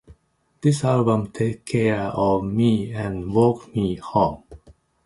This album takes care of me and walks me home.